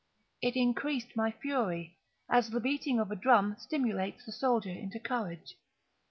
It increased my fury, as the beating of a drum stimulates the soldier into courage.